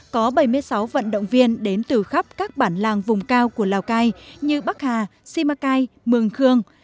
có bảy mươi sáu vận động viên đến từ khắp các bản làng vùng cao của lào cai như bắc hà simacai mường khương